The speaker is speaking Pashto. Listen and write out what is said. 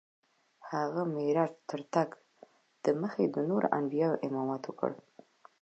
هغه معراج ته تر تګ دمخه د نورو انبیاوو امامت وکړ.